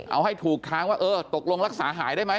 เอาให้ถูกทางว่าเออตกลงรักษาหายได้ไหม